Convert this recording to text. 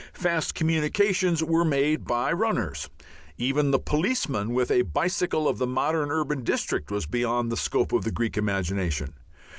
Fast communications were made by runners; even the policeman with a bicycle of the modern urban district was beyond the scope of the Greek imagination.